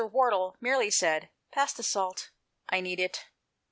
Wardle merely said "Pass the salt, I need it."